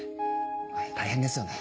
あれ大変ですよね。